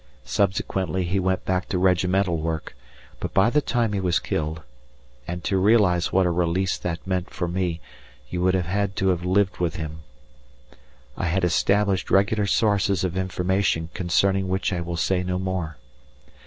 Subsequently he went back to regimental work; but by the time he was killed (and to realize what a release that meant for me, you would have had to have lived with him) I had established regular sources of information concerning which I will say no more.